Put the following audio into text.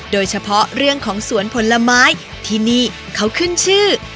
โดยเฉพาะเรื่องของสวนผลไม้ที่นี่เขาขึ้นชื่อ